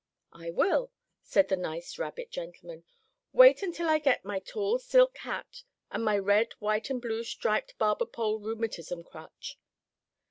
"I will," said the nice rabbit gentleman. "Wait until I get my tall silk hat and my red, white and blue striped barber pole rheumatism crutch."